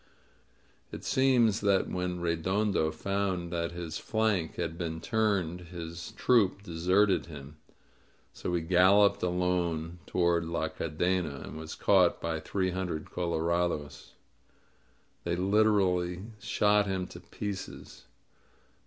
It seems that when Redondo found that his flank had been turned his troop deserted him; so he galloped alone toward La Cadena, and was caught by three hun dred colorados. They literally shot him to pieces.